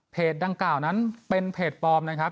ดังกล่าวนั้นเป็นเพจปลอมนะครับ